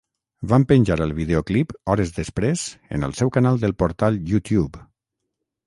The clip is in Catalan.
Van penjar el videoclip hores després en el seu canal del portal YouTube.